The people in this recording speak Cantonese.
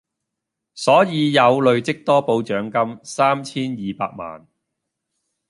所以有累積多寶獎金三千二百萬